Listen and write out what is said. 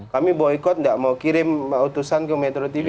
kami boycott nggak mau kirim utusan ke metro tv